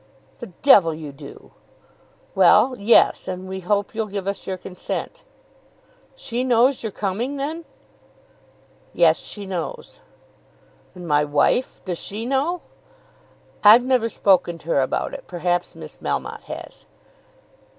"The d you do!" "Well, yes; and we hope you'll give us your consent." "She knows you're coming then?" "Yes; she knows." "And my wife; does she know?" "I've never spoken to her about it. Perhaps Miss Melmotte has."